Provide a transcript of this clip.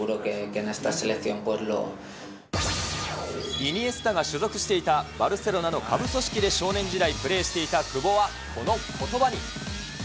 イニエスタが所属していたバルセロナの下部組織で少年時代プレーしていた久保は、このことばに。